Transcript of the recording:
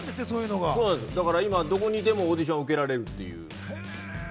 だから今どこでもオーディション受けられるという。